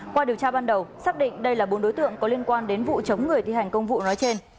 qua điều tra ban đầu xác định đây là bốn đối tượng có liên quan đến vụ chống người thi hành công vụ nói trên